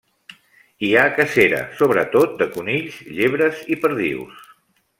Hi ha cacera, sobretot de conills, llebres i perdius.